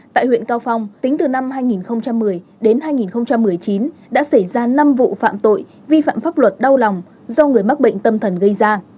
tại huyện cao phong tính từ năm hai nghìn một mươi đến hai nghìn một mươi chín đã xảy ra năm vụ phạm tội vi phạm pháp luật đau lòng do người mắc bệnh tâm thần gây ra